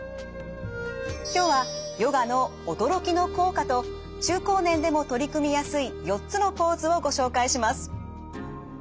今日はヨガの驚きの効果と中高年でも取り組みやすい４つのポーズをご紹介します。